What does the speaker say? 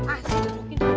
ah saya udah masukin